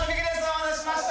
お待たせしました。